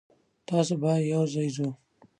تاسو به یوځای ځو.